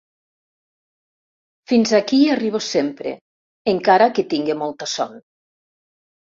Fins aquí hi arribo sempre, encara que tingui molta son.